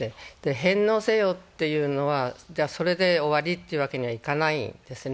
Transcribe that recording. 返納せよというのは、それで終わりというわけにはいかないんですね。